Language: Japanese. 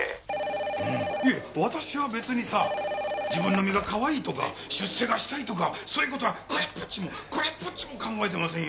いや私は別にさ自分の身がかわいいとか出世がしたいとかそういう事はこれぽっちもこれっぽっちも考えてませんよ。